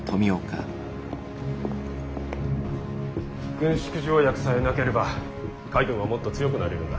軍縮条約さえなければ海軍はもっと強くなれるんだ。